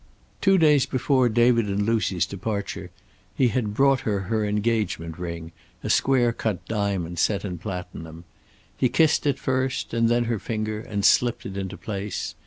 Two days before David and Lucy's departure he had brought her her engagement ring, a square cut diamond set in platinum. He kissed it first and then her finger, and slipped it into place.